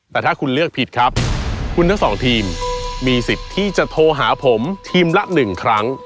แต่ถ้าคุณเลือกผิดครับคุณทั้งสองทีมมีสิทธิ์ที่จะโทรหาผมทีมละ๑ครั้ง